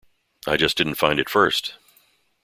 I just didn't find it first.